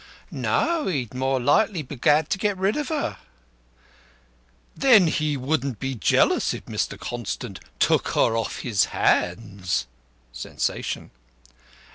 "No, he'd more likely be glad to get rid of her." "Then he wouldn't be jealous if Mr. Constant took her off his hands?" (Sensation.)